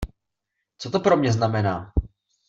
Co to pro mě znamená?